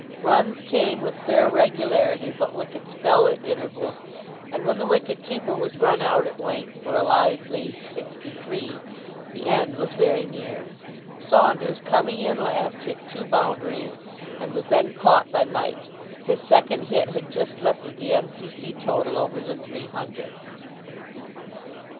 Runs came with fair regularity, but wickets fell at intervals, and when the wicket keeper was run out at length for a lively sixty three, the end was very near. Saunders, coming in last, hit two boundaries, and was then caught by Mike. His second hit had just lifted the M.C.C. total over the three hundred.